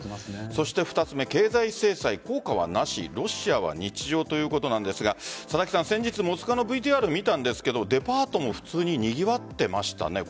そして２つ目経済制裁、効果はなしロシアは日常ということなんですが先日、モスクワのＶＴＲを見たんですがデパートも普通ににぎわってましたね。